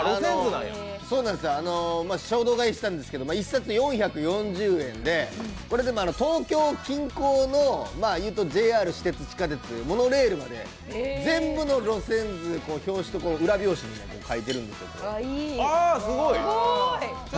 衝動買いしたんですけど一冊４４０円で、東京近郊の、言うとＪＲ、私鉄、地下鉄、モノレールまで全部の路線図、表紙と裏表紙に描いているんですよ。